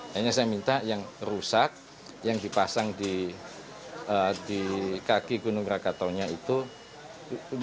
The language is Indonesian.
akhirnya saya minta yang rusak yang dipasang di kaki gunung rakataunya itu